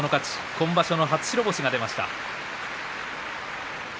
今場所の初白星が出ました。